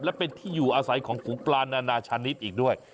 และเป็นที่อยู่อาศัยของฝูงปลานานาชนิดอีกด้วย